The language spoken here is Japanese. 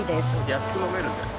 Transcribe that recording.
安く飲めるんですか？